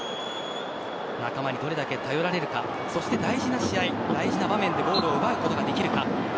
仲間にどれだけ頼られるかそして大事な試合大事な場面でゴールを奪うことができるか。